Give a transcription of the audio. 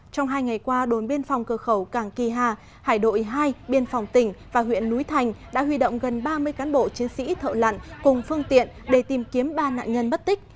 trong hai ngày qua đồn biên phòng cơ khẩu cảng kỳ hà hải đội hai biên phòng tỉnh và huyện núi thành đã huy động gần ba mươi cán bộ chiến sĩ thợ lặn cùng phương tiện để tìm kiếm ba nạn nhân bất tích